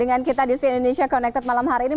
dengan kita di si indonesia connected malam hari ini